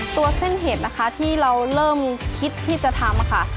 ตัวเส้นเห็ดนะคะที่เราเริ่มคิดที่จะทำค่ะ